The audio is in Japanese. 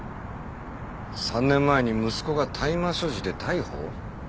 ３年前に息子が大麻所持で逮捕？